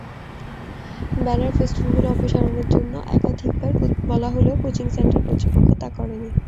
Banner ফেস্টুনগুলো অপসারণের জন্য একাধিকবার বলা হলেও কোচিং সেন্টার কর্তৃপক্ষ তা করেনি।